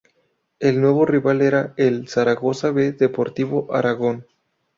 El nuevo rival era el Zaragoza B Deportivo Aragón.